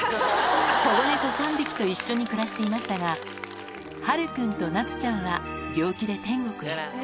保護猫３匹と一緒に暮らしていましたが、春くんと夏ちゃんは病気で天国へ。